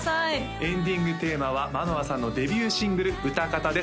エンディングテーマは舞乃空さんのデビューシングル「うたかた」です